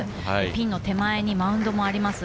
ピンの手前にマウンドもあります。